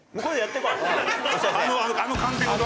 あのカンペごと。